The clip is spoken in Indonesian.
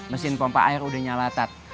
mesin pompa air udah nyala tat